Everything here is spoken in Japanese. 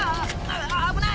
危ない！